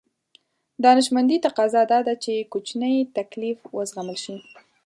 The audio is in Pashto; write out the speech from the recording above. دانشمندي تقاضا دا ده چې کوچنی تکليف وزغمل شي.